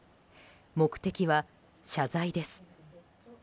目的は謝罪です。